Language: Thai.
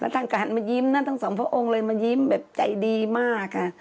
ท่านก็หันมายิ้มนะทั้งสองพระองค์เลยมายิ้มแบบใจดีมากค่ะ